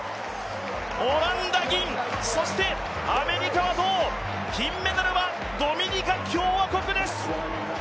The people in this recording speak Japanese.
オランダ銀、そしてアメリカ銅金メダルは、ドミニカ共和国です！